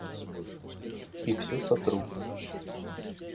И все сотру!